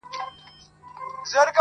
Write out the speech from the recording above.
دایمي ژوندون.